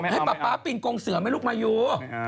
ป๊าป๊าปีนกงเสือไหมลูกมายู